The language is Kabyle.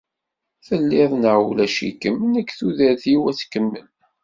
Telliḍ neɣ ulac-ikem, nekk tudert-iw ad tkemmel.